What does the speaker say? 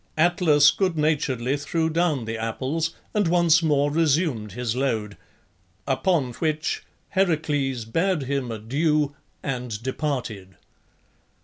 Atlas good naturedly threw down the apples and once more resumed his load, upon which Heracles bade him adieu, and departed.